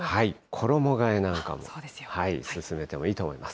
衣がえなんかも進めてもいいと思います。